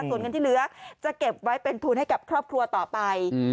ส่วนเงินที่เหลือจะเก็บไว้เป็นทุนให้กับครอบครัวต่อไป